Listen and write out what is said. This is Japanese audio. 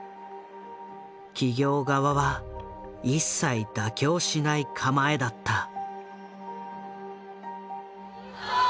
企業側は一切妥協しない構えだった。